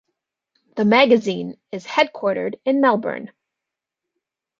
The magazine is headquartered in Melbourne.